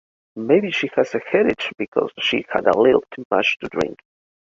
Maybe she has a headache because she had a little too much to drink.